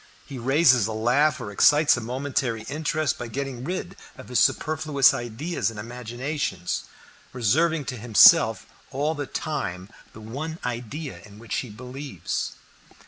He raises a laugh or excites a momentary interest by getting rid of his superfluous ideas and imaginations, reserving to himself all the time the one idea in which he believes."